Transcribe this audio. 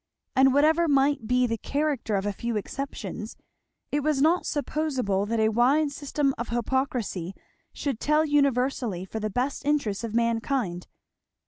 And whatever might be the character of a few exceptions, it was not supposable that a wide system of hypocrisy should tell universally for the best interests of mankind.